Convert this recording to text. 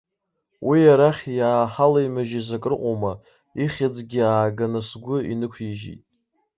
Уи арахь иааҳалеимыжьыз акрыҟоума, ихьӡгьы ааганы сгәы инықәижьит.